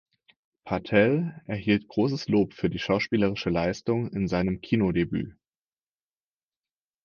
Patel erhielt großes Lob für die schauspielerische Leistung in seinem Kinodebüt.